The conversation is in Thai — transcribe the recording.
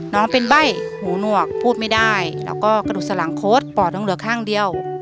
น้องเป็นใบ้หูหนวกพูดไม่ได้แล้วก็กระดูกสลังโค้ดปอดต้องเหลือข้างเดียว